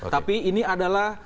tapi ini adalah